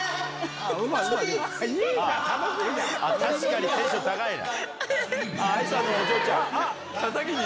確かにテンション高いな。